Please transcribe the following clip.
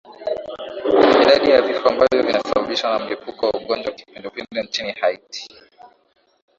idadi ya vifo ambavyo vimesababishwa na mlipuko wa ugonjwa wa kipindupindu nchini haiti